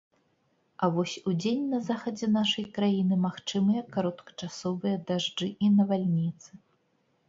А вось удзень на захадзе нашай краіны магчымыя кароткачасовыя дажджы і навальніцы.